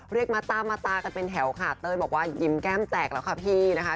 เรียกมาตามมาตากันเป็นแถวค่ะเต้ยบอกว่ายิ้มแก้มแตกแล้วค่ะพี่นะคะ